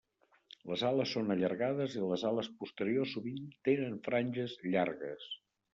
Les ales són allargades i les ales posteriors sovint tenen franges llargues.